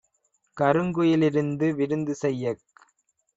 கருங்குயி லிருந்து விருந்து செய்யக்